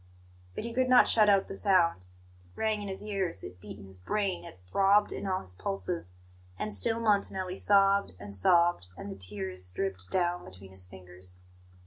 But he could not shut out the sound; it rang in his ears, it beat in his brain, it throbbed in all his pulses. And still Montanelli sobbed and sobbed, and the tears dripped down between his fingers.